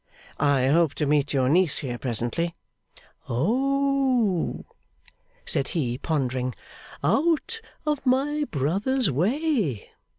I hope to meet your niece here presently.' 'Oh!' said he, pondering. 'Out of my brother's way?